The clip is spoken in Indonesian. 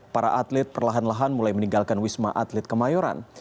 para atlet perlahan lahan mulai meninggalkan wisma atlet kemayoran